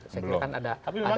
saya kira kan ada